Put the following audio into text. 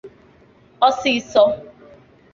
osisi